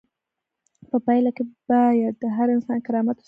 په پایله کې باید د هر انسان کرامت وساتل شي.